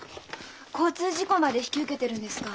交通事故まで引き受けてるんですか。